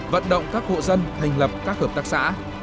vận động các hộ dân thành lập các hợp tác xã